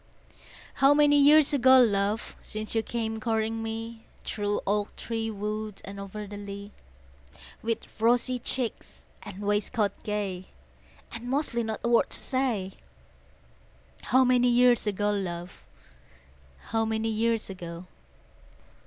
How many years ago, love, Since you came courting me? Through oak tree wood and o'er the lea, With rosy cheeks and waistcoat gay, And mostly not a word to say, How many years ago, love, How many years ago?